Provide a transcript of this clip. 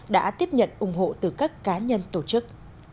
đã tiếp nhận ủng hộ từ các cá nhân tổ chức